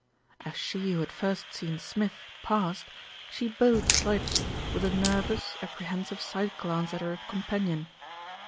As she who had first seen Smith passed, she bowed slightly, with a nervous, apprehensive side glance at her companion.